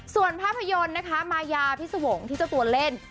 ส่วนภาพยนตร์นะคะมายาพิสวงศ์ที่เจ้าตัวเล่น